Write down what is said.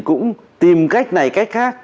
cũng tìm cách này cách khác